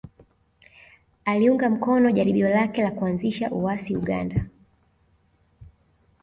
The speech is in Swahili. Aliunga mkono jaribio lake la kuanzisha uasi Uganda